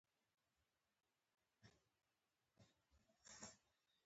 ایا مصنوعي ځیرکتیا د ځواک تمرکز نه پیاوړی کوي؟